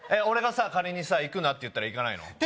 俺がさ仮にさ行くなって言ったら行かないの？